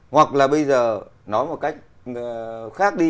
hoặc là bây giờ nói một cách khác đi